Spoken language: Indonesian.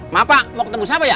maaf pak mau ketemu siapa ya